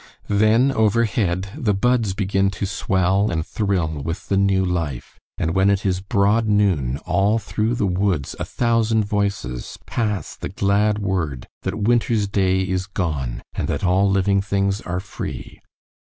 Then, overhead, the buds begin to swell and thrill with the new life, and when it is broad noon, all through the woods a thousand voices pass the glad word that winter's day is gone and that all living things are free.